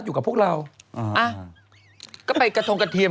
อยู่กับพวกเราอ่าอ่ะก็ไปกระทงกระเทียม